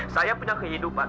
saya punya kehidupan